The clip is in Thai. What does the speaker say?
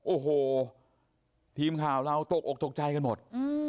โอ้โหทีมข่าวเราตกออกตกใจกันหมด